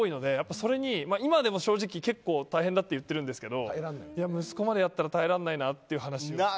それに今でも正直結構大変だと言ってるんですけど息子までやったら耐えらんないなという話ですよ。